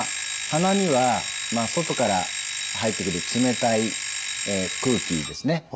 鼻には外から入ってくる冷たい空気ですね